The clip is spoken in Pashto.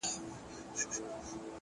مهرباني د زړونو یخ له منځه وړي!.